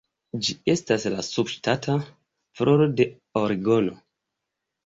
Ĝi estas la subŝtata floro de Oregono.